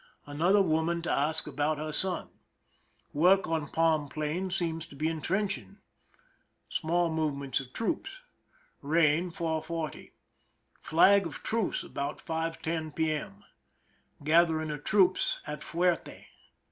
Another woman to ask about her son. Work on palm plain seems to be intrench ing. Small movements of troops. Rain, 4 : 40. Flag of truce about 5:10 p.m. Gathering of troops at fuerte.